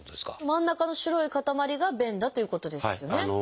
真ん中の白い塊が便だということですよね。